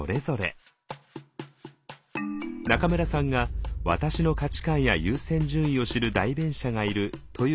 中村さんが「私の価値観や優先順位を知る代弁者がいる」というカードを交換。